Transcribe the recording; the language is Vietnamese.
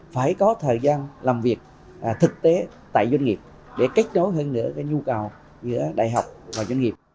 phải có thời gian làm việc thực tế tại doanh nghiệp để kết nối hơn nữa nhu cầu giữa đại học và doanh nghiệp